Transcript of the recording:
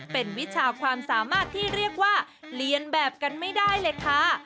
เป็นวิชาความสามารถที่เรียกว่าเรียนแบบกันไม่ได้เลยค่ะ